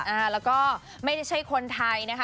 อ่าก็ไม่ได้ขอคนไทยนะคะ